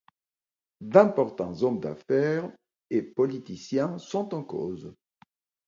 D'importants hommes d'affaires et politiciens sont en cause.